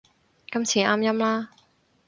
今次啱音啦